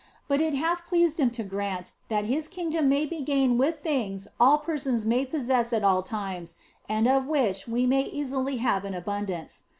But it hath pleased Him to grant that His kingdom may be gained with things all persons may possess at all times and of which we may easily have an abundance.